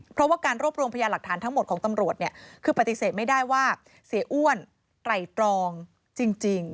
เพราะว่าการรวบรวมพยานหลักฐานทั้งหมดของตำรวจเนี่ยคือปฏิเสธไม่ได้ว่าเสียอ้วนไตรตรองจริง